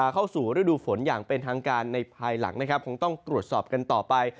เข้าสู่ฤดูฝนอย่างเป็นทางการในภายหลังนะครับคงต้องตรวจสอบกันต่อไป